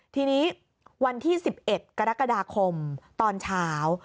ทีนี้วันที่๑๑กรกฎาคมตอนเช้า